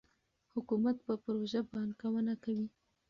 حکومت په پروژو پانګونه کوي.